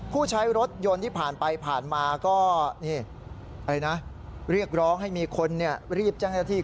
ผู้ใช้รถยนต์ที่ผ่านไปผ่านมาก็เรียกร้องให้มีคนรีบแจ้งเจ้าหน้าที่